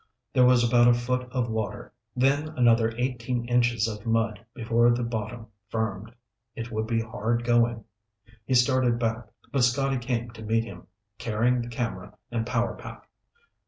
There was about a foot of water, then another eighteen inches of mud before the bottom firmed. It would be hard going. He started back, but Scotty came to meet him, carrying the camera and power pack.